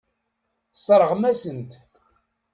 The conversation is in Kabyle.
Tesseṛɣem-asen-t.